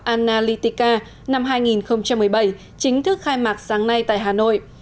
analitica năm hai nghìn một mươi bảy chính thức khai mạc sáng nay tại hà nội